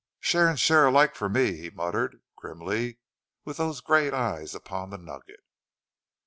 "Share and share alike for me!" he muttered, grimly, with those great eyes upon the nugget.